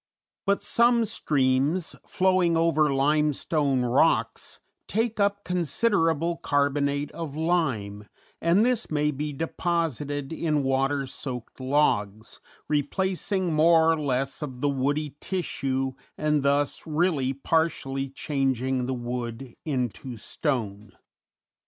But some streams, flowing over limestone rocks, take up considerable carbonate of lime, and this may be deposited in water soaked logs, replacing more or less of the woody tissue and thus really partially changing the wood into stone.